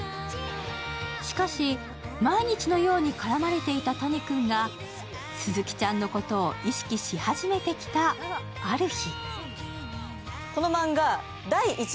しかし、毎日のように絡まれていた谷君が鈴木ちゃんのことを意識し始めてきたある日。